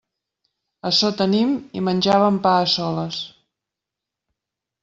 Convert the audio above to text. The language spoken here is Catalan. Açò tenim i menjàvem pa a soles.